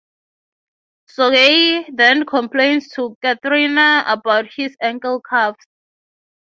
Sergei then complains to Katerina about his ankle-cuffs.